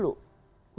luasnya papua barat